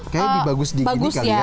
kayaknya di bagus di ini kali ya